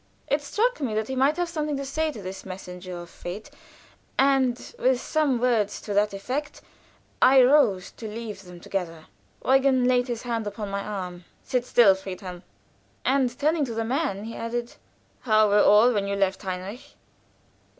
It struck me that he might have something to say to this messenger of fate, and with some words to that effect I rose to leave them together. Eugen laid his hand upon my arm. "Sit still, Friedhelm." And turning to the man, he added: "How were all when you left, Heinrich?"